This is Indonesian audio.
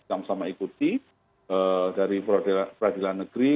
sama sama ikuti dari peradilan negeri